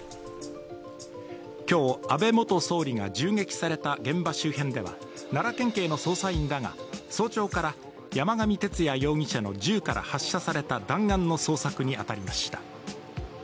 今日、安倍元総理が銃撃された現場周辺では奈良県警の捜査員らが早朝から山上徹也容疑者の銃から発射された弾丸の捜索に当たりました。